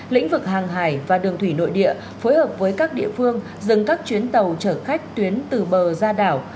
lĩnh vực hàng hải và đường thủy nội địa phối hợp với các địa phương dừng các chuyến tàu chở khách tuyến từ bờ ra đảo